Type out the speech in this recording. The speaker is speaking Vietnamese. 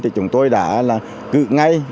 chúng tôi đã cự ngay